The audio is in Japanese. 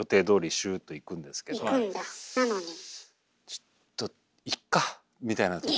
ちょっと「いっか」みたいなとき。